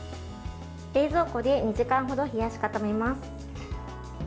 冷蔵庫で２時間程冷やし固めます。